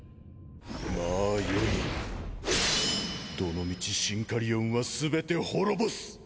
まあよいどのみちシンカリオンはすべて滅ぼす！